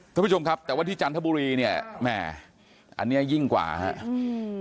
ท่านผู้ชมครับแต่ว่าที่จันทบุรีเนี่ยแหมอันเนี้ยยิ่งกว่าฮะอืม